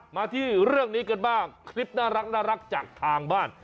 มาที่เรื่องนี้กันบ้างคลิปน่ารักจากทางบ้าน